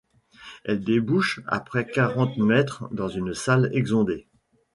Elle débouche après quarante mètres dans une salle exondée.